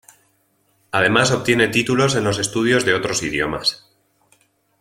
Además obtiene títulos en los estudios de otros idiomas.